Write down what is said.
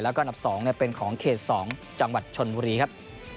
แล้วก็อันดับ๒เป็นของเขต๒จังหวัดชนบุรีครับ